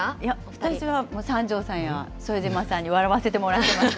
私は三條さんや副島さんに笑わせてもらっています。